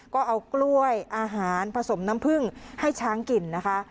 ก็เอากล้วยอาหารผสมน้ำผึ้งให้ช้างกินนะคะ